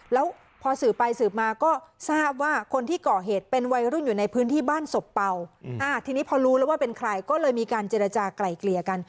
แล้วพอสืบไปสืบมาก็ทราบว่าคนที่ก่อเหตุเป็นวัยรุ่นอยู่ในพื้นที่บ้านศพเป่าทีนี้พอรู้แล้วว่าเป็นใครก็เลยมีการเจรจากลายเกลี่ยกัน